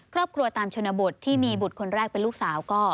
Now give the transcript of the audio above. ครอบครัวตามชนบทที่มีบุตรคนแรกเป็นลูกสาวก็